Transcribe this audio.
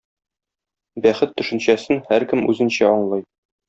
Бәхет төшенчәсен һәркем үзенчә аңлый.